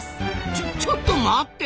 ちょちょっと待って！